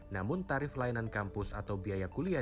namun tarif layanan kampus atau biaya kuliah